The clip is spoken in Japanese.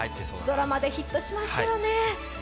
ドラマでヒットしましたよね。